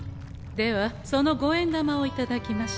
ではその五円玉を頂きましょう。